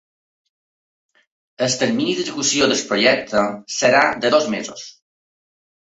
El termini d’execució del projecte serà de dos mesos.